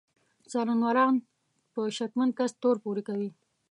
څارنوالان په شکمن کس تور پورې کوي.